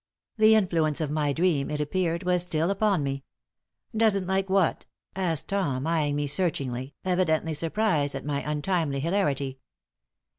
The influence of my dream, it appeared, was still upon me. "Doesn't like what?" asked Tom, eying me searchingly, evidently surprised at my untimely hilarity.